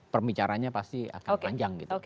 perbicaranya pasti akan panjang gitu